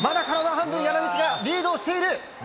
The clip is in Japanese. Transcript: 半分山口がリードしている。